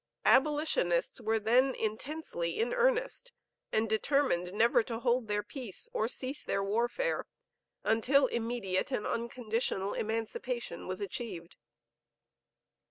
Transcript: Abolitionists were then intensely in earnest, and determined never to hold their peace or cease their warfare, until immediate and unconditional emancipation was achieved.